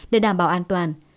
để đảm bảo an toàn